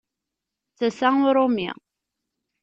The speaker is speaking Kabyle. D tasa uṛumi!